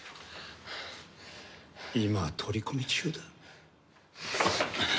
今取り込み中だ。